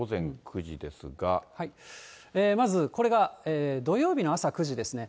まず、これが土曜日の朝９時ですね。